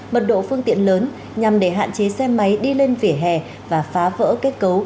mật độ phương tiện lớn nhằm để hạn chế xe máy đi lên vỉa hè và phá vỡ kết cấu